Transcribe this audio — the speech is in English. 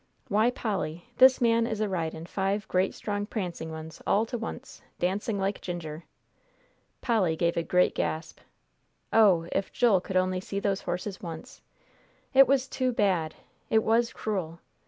Why, Polly, this man is a ridin' five great strong prancing ones all to once, dancing like ginger." Polly gave a great gasp. "Oh, if Joel could only see those horses once! It was too bad it was cruel."